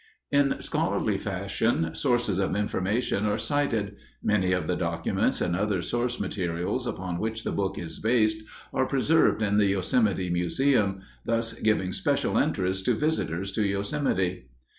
_ _In scholarly fashion, sources of information are cited. Many of the documents and other source materials upon which the book is based are preserved in the Yosemite Museum, thus giving special interest to visitors to Yosemite.